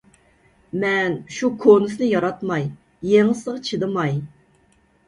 مەن شۇ كونىسىنى ياراتماي، يېڭىسىغا چىدىماي. ..